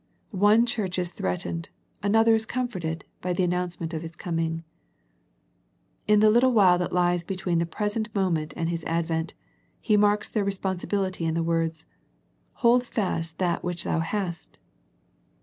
One church is threat ened, another is comforted by the announce ment of His coming. In the little while that lies between the pres ent moment and His advent, He marks their responsibility in the words " Hold fast that which thou hast."